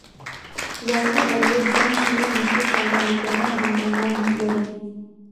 ځاځي اريوب گڼ شمېر مشهور شاعران، ليکوالان او هنرمندان لري.